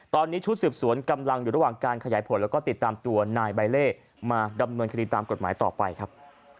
ตอนนี้ชุดสืบสวนกำลังอยู่ระหว่างการขยายผลแล้วก็ติดตามตัวนายใบเล่มาดำเนินคดีตามกฎหมายต่อไปครับ